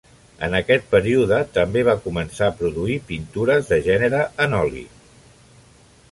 En aquest període també va començar a produir pintures de gènere en oli.